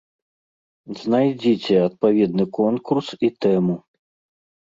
Знайдзіце адпаведны конкурс і тэму.